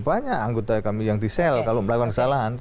banyak anggota kami yang di sel kalau melakukan kesalahan